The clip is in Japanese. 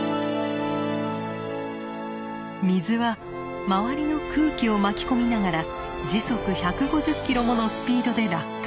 水は周りの空気を巻き込みながら時速１５０キロものスピードで落下。